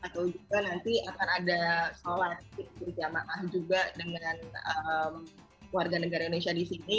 atau juga nanti akan ada sholat berjamaah juga dengan warga negara indonesia di sini